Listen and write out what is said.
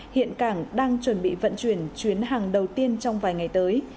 hiện cảng đang chuẩn bị vận chuyển chuyến hàng đầu tiên trong vài ngày tới